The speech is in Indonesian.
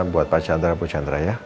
buat pak chandra pak chandra ya